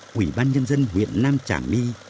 quỷ ban nhân dân huyện nam trả my